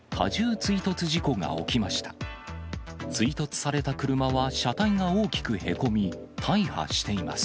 追突された車は車体が大きくへこみ、大破しています。